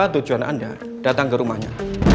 tujuan anda datang ke rumahnya